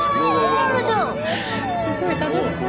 すごい楽しそう。